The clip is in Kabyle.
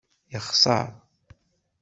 Yexṣer.